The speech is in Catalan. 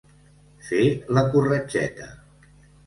Fer la corretgeta.